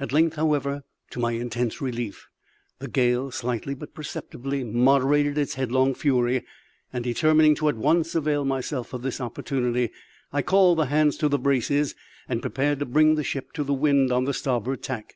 At length, however, to my intense relief, the gale slightly but perceptibly moderated its headlong fury; and determining to at once avail myself of this opportunity, I called the hands to the braces, and prepared to bring the ship to the wind on the starboard tack.